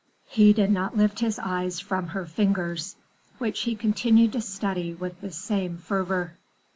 He did not lift his eyes from her fingers, which he continued to study with the same fervor.